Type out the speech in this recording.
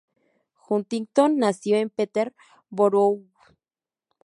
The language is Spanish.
Huntington nació en Peterborough.